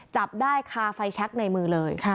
จับได้คาไฟแช็คในมือเลย